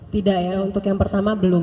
tidak ya untuk yang pertama belum